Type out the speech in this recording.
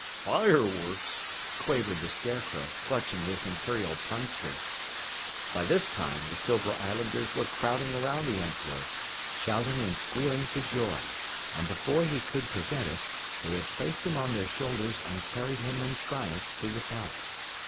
"Fireworks," quavered the Scarecrow, clutching his Imperial Punster. By this time, the Silver Islanders were crowding around the Emperor, shouting and squealing for joy, and before he could prevent it, they had placed him on their shoulders and carried him in triumph to the palace.